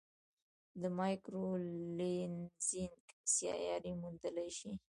د مایکرو لینزینګ سیارې موندلای شي.